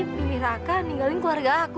pilih raka ninggalin keluarga aku